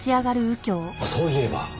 あっそういえば。